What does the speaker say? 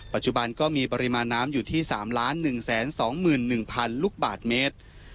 ปัจจุบันก็มีปริมาณน้ำอยู่ที่๓๑๒๑๐๐๐ลูกบาทเมตร